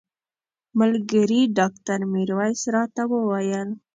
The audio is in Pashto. ملګري ډاکټر میرویس راته وویل.